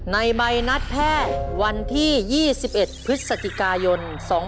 ในใบนัดแพ้วันที่๒๑พฤษฎิกายน๒๕๖๑